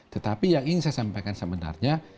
tetapi yang ini saya sampaikan semenarnya